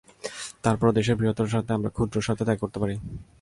তার পরও দেশের বৃহত্তর স্বার্থে আমরা ক্ষুদ্র স্বার্থ ত্যাগ করতে পারি।